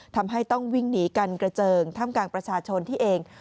ทำให้ต้องวิ่งหนีกันกระเจิงท่ามกลางประชาชนที่เอง